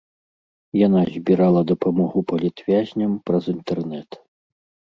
Яна збірала дапамогу палітвязням праз інтэрнэт.